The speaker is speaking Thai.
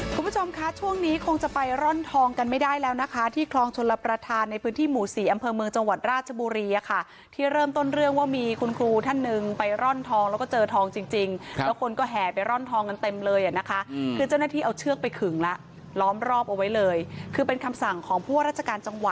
คุณผู้ชมคะช่วงนี้คงจะไปร่อนทองกันไม่ได้แล้วนะคะที่คลองชลประธานในพื้นที่หมู่สี่อำเภอเมืองจังหวัดราชบุรีอะค่ะที่เริ่มต้นเรื่องว่ามีคุณครูท่านหนึ่งไปร่อนทองแล้วก็เจอทองจริงจริงแล้วคนก็แห่ไปร่อนทองกันเต็มเลยอ่ะนะคะคือเจ้าหน้าที่เอาเชือกไปขึงแล้วล้อมรอบเอาไว้เลยคือเป็นคำสั่งของผู้ว่าราชการจังหวัด